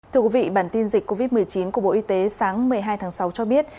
thưa quý vị bản tin dịch covid một mươi chín của bộ y tế sáng một mươi hai tháng sáu cho biết